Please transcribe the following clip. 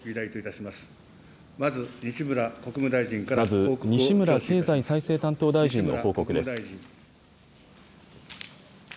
まず西村経済再生担当大臣の報告です。